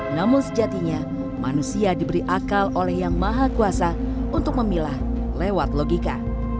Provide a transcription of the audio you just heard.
namun sejatinya manusia diberi akal oleh yang maha kuasa untuk memilah lewat logika